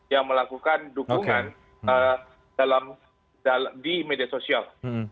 yang melakukan dukungan di media sosial